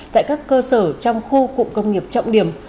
tại các cơ sở trong khu cụm công nghiệp trọng điểm